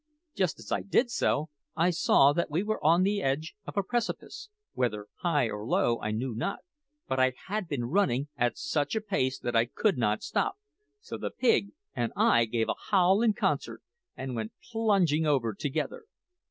Just as I did so, I saw that we were on the edge of a precipice whether high or low, I knew not; but I had been running at such a pace that I could not stop, so the pig and I gave a howl in concert and went plunging over together.